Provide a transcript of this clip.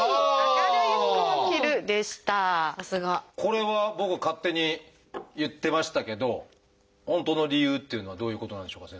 これは僕は勝手に言ってましたけど本当の理由っていうのはどういうことなんでしょうか？